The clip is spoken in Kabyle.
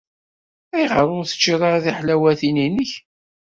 Ayɣer ur teččiḍ ara tiḥlawatin-inek?